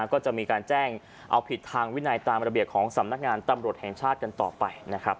ก็จะมีการแจ้งเอาผิดทางวินัยตามระเบียบของสำนักงานตำรวจแห่งชาติกันต่อไปนะครับ